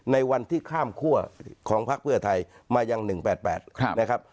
ในวันที่ข้ามคั่วของพักเพื่อไทยมายัง๑๘๘นะครับ